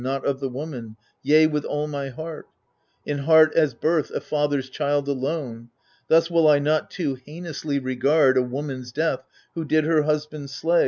Not of the woman, yea, with all my soul, — In heart, as birth, a father's child alone. Thus will I not too heinously regard A woman's death who did her husband slay.